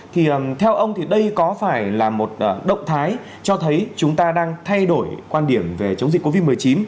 thì theo ông thì đây có phải là một động thái cho thấy chúng ta đang thay đổi quan điểm về chống dịch covid một mươi chín